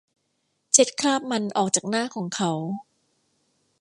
เช็ดคราบมันออกจากหน้าของเขา